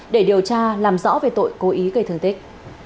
để điều tra làm rõ về tội cố ý gây thương tích